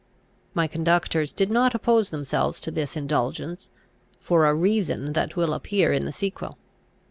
My conductors did not oppose themselves to this indulgence, for a reason that will appear in the sequel.